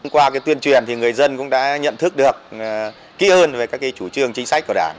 qua tuyên truyền thì người dân cũng đã nhận thức được kỹ hơn về các chủ trương chính sách của đảng